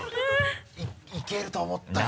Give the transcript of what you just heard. いけると思ったよ。